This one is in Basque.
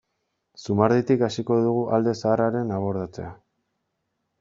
Zumarditik hasiko dugu alde zaharraren abordatzea.